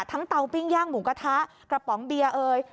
เตาปิ้งย่างหมูกระทะกระป๋องเบียร์เอ่ย